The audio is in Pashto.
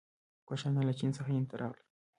کوشانیان له چین څخه هند ته راغلل.